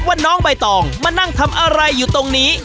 น้องใบตองมานั่งทำอะไรอยู่ตรงนี้